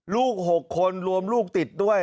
ลูก๖คนรวมลูกติดด้วย